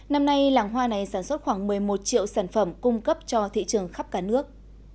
năm nay làng hoa này sản xuất khoảng một mươi một triệu sản phẩm cung cấp cho thị trường khắp cả nước